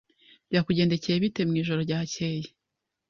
Byakugendekeye bite mwijoro ryakeye?